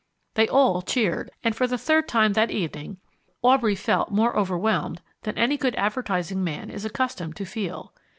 They all cheered, and for the third time that evening Aubrey felt more overwhelmed than any good advertising man is accustomed to feel.